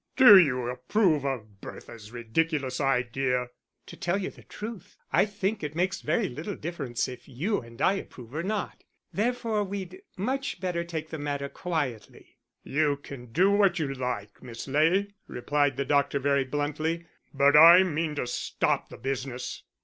"Do you approve of Bertha's ridiculous idea?" "To tell you the truth, I think it makes very little difference if you and I approve or not; therefore we'd much better take the matter quietly." "You can do what you like, Miss Ley," replied the doctor very bluntly, "but I mean to stop the business."